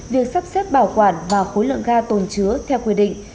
việc sắp xếp bảo quản và khối lượng ga tồn chứa theo quy định